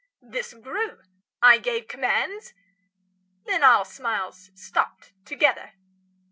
This grew; I gave commands; Then all smiles stopped together.